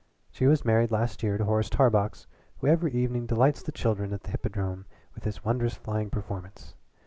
She was married last year to Horace Tarbox, who every evening delights the children at the Hippodrome with his wondrous flying performance.